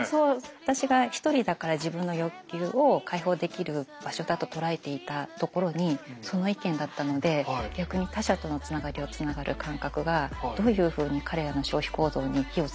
私が一人だから自分の欲求を解放できる場所だと捉えていたところにその意見だったので逆に他者とのつながりをつながる感覚がどういうふうに彼らの消費行動に火をつけてるのかなというのは。